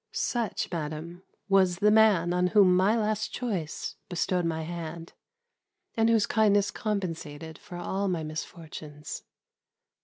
Such, madam, was the man on whom my last choice bestowed my hand, and whose kindness compensated for all my misfortunes.